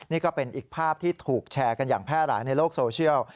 นี่ก็เป็นอีกภาพที่ถูกแชร์กันอย่างแพร่หลายในโลกโซเชียล